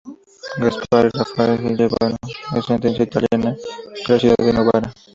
Gaspar era un fraile sevillano de ascendencia italiana, de la ciudad de Novara.